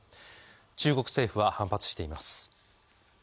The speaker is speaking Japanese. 中国政府は反発しています。